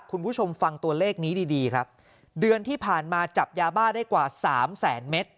คุณผู้ชมฟังตัวเลขนี้ดีดีครับเดือนที่ผ่านมาจับยาบ้าได้กว่าสามแสนเมตร